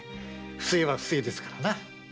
不正は不正ですから。